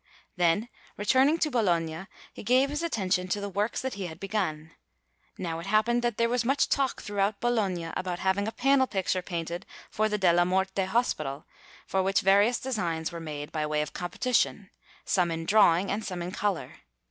Then, returning to Bologna, he gave his attention to the works that he had begun. Now it happened that there was much talk throughout Bologna about having a panel picture painted for the Della Morte Hospital, for which various designs were made by way of competition, some in drawing and some in colour.